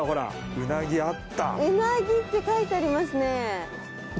うなぎって書いてありますね。